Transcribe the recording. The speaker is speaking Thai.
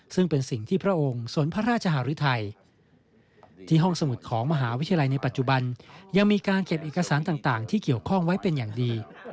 ซึ่งเป็นสิ่งที่พระองค์สนพระราชหารุทัยที่ห้องสมุดของมหาวิทยาลัยในปัจจุบันยังมีการเก็บเอกสารต่างที่เกี่ยวข้องไว้เป็นอย่างดี